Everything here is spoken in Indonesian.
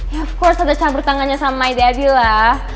ya of course ada campur tangannya sama yodadi lah